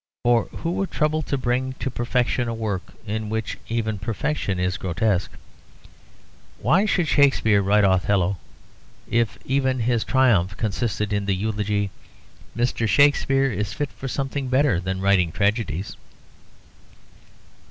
For who would trouble to bring to perfection a work in which even perfection is grotesque? Why should Shakespeare write 'Othello' if even his triumph consisted in the eulogy, 'Mr. Shakespeare is fit for something better than writing tragedies'?